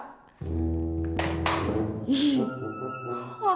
ih orang kok gak ada cape capenya yang nyuruh